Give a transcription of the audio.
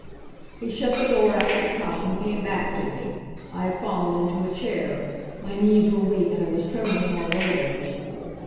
He shut the door after the cop, and came back to me. I had fallen into a chair. My knees were weak, and I was trembling all over.